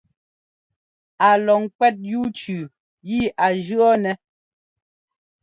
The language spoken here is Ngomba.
A lɔ kwɛ́t yú cʉʉ yi a jʉ̈ nɛ́.